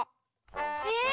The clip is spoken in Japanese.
え？